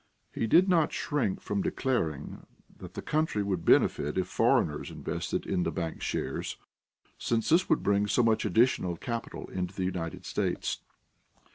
He did not shrink from declaring that the country would benefit if foreigners invested in the bank shares, since this would bring so much additional capital into the United States.